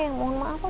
ibu mau apa